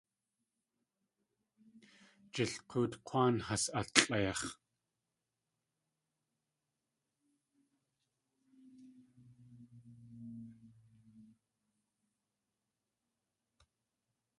Jilk̲oot K̲wáan has alʼeix̲.